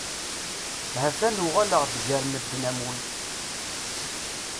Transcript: Ha-t-an uɣaleɣ-d gar medden am wi.